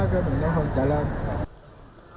cái mình đã không chạy lên